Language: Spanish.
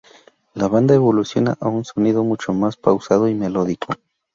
La banda evoluciona a un sonido mucho más pausado y melódico.